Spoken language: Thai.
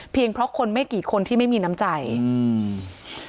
เพราะคนไม่กี่คนที่ไม่มีน้ำใจอืม